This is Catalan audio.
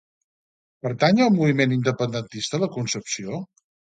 Pertany al moviment independentista la Concepció?